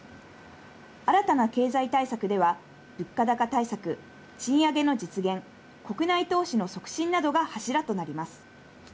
新たな経済対策では、物価高対策、賃上げの実現、国内投資の促進などが柱となります。